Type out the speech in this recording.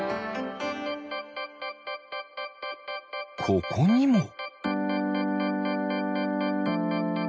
ここにも。